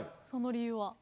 その理由は？